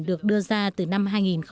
được đưa ra từ năm hai nghìn bốn